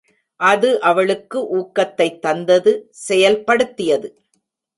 அது அவளுக்கு ஊக்கத்தைத் தந்தது செயல்படுத்தியது.